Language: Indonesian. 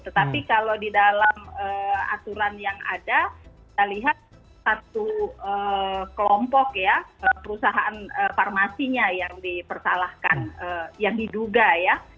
tetapi kalau di dalam aturan yang ada kita lihat satu kelompok ya perusahaan farmasinya yang dipersalahkan yang diduga ya